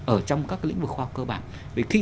ở trong các cái lĩnh vực khoa học cơ bản vì khi